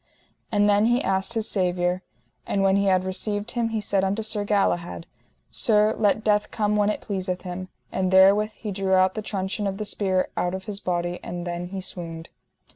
And then he asked his Saviour. And when he had received Him he said unto Sir Galahad: Sir, let death come when it pleaseth him. And therewith he drew out the truncheon of the spear out of his body: and then he swooned.